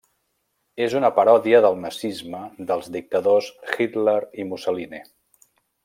És una paròdia del nazisme i dels dictadors Hitler i Mussolini.